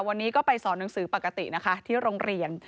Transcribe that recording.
วันนี้ก็ไปสอนหนังสือปกตินะคะที่โรงเรียน